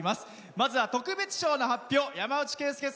まずは特別賞の発表です。